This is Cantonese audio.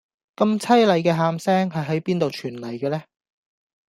咁淒厲既喊聲係喺邊度傳黎嘅呢